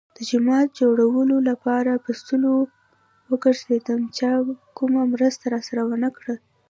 د جماعت جوړولو لپاره په سلو وگرځېدم. چا کومه مرسته راسره ونه کړه.